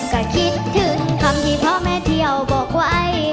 ก็คิดถึงคำที่พ่อแม่เที่ยวบอกไว้